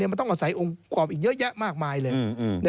มันต้องอาศัยองค์กรอบอีกเยอะแยะมากมายเลย